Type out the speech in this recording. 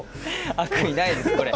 悪意ないですこれ。